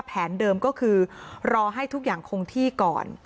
แผนเดิมก็คือรอให้ทุกอย่างคงที่ก่อน